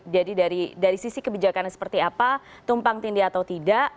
jadi dari sisi kebijakan seperti apa tumpang tindih atau tidak